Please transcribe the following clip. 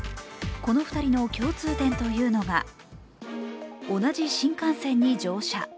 この２人の共通点というのが同じ新幹線に乗車。